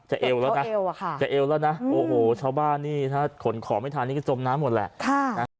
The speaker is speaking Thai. เอวแล้วนะจะเอวแล้วนะโอ้โหชาวบ้านนี่ถ้าขนของไม่ทันนี่ก็จมน้ำหมดแหละ